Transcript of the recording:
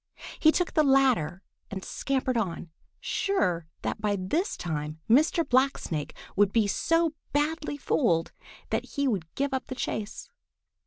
He took the latter and scampered on, sure that by this time Mr. Blacksnake would be so badly fooled that he would give up the chase.